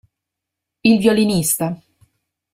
Il violinista